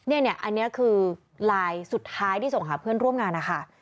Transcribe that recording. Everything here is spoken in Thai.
เนี่ยอันนี้คือไลน์สุดท้ายที่ส่งหาเพื่อนร่วมงานนะคะ